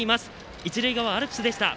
一塁側アルプスです。